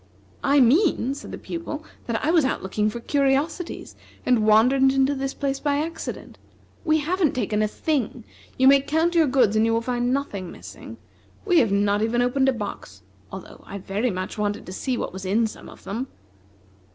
"I mean," said the Pupil, "that I was out looking for curiosities, and wandered into this place by accident. We haven't taken a thing. You may count your goods, and you will find nothing missing. We have not even opened a box, although I very much wanted to see what was in some of them."